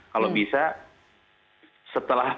kalau bisa setelah